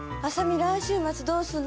来週末どうすんの？